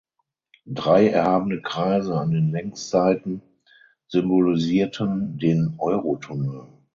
Drei erhabene Kreise an den Längsseiten symbolisierten den Eurotunnel.